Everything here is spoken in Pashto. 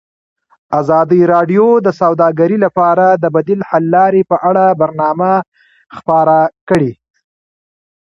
ازادي راډیو د سوداګري لپاره د بدیل حل لارې په اړه برنامه خپاره کړې.